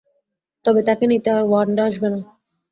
তবে তাকে নিতে আর ওয়ান্ডা আসবে না।